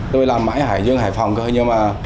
tôi làm mãi ở hải dương hải phòng thôi nhưng mà